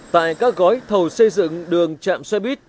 tại các gói thầu xây dựng đường chạm xe buýt